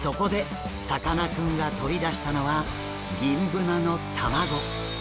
さかなクンが取り出したのはギンブナの卵。